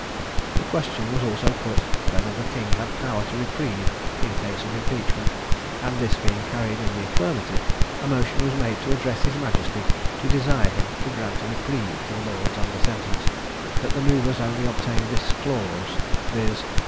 The question was also put, whether the King had power to reprieve, in case of impeachment; and this being carried in the affirmative, a motion was made to address his majesty to desire him to grant a reprieve to the lords under sentence; but the movers only obtained this clause, viz.